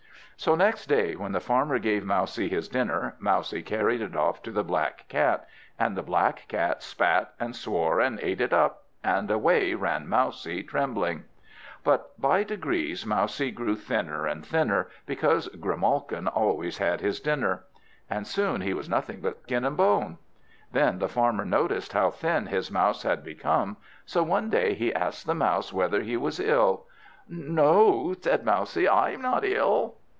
So next day, when the Farmer gave Mousie his dinner, Mousie carried it off to the black Cat, and the black Cat spat and swore and ate it up, and away ran Mousie trembling. But by degrees Mousie grew thinner and thinner, because Grimalkin always had his dinner; and soon he was nothing but skin and bone. Then the Farmer noticed how thin his Mouse had become, so one day he asked the Mouse whether he was ill. "No," said Mousie, "I'm not ill."